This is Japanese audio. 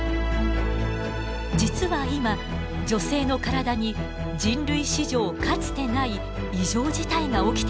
実は今女性の体に人類史上かつてない異常事態が起きています。